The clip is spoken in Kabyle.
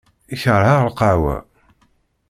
Keṛheɣ lqahwa.